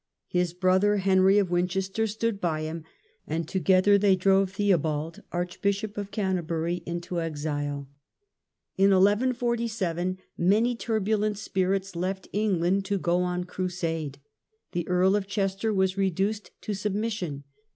His brother, Henry of Winchester, stood by him, The last and together they drove Theobald, Arch years, bishop of Canterbury, into exile. In 1147 many turbulent spirits left England to go on crusade. The Earl of Chester was reduced to submission.